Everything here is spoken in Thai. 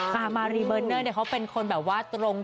ใช่แม่รีเบิร์นเนอร์เขาเป็นคนแบบว่าตรง